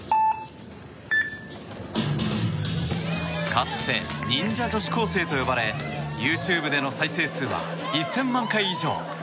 かつて、忍者女子高生と呼ばれＹｏｕＴｕｂｅでの再生回数は１０００万回以上。